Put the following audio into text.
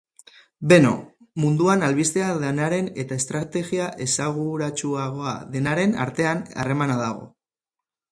Beno, munduan albistea denaren eta estrategia esanguratsuagoa denaren artean harremana dago.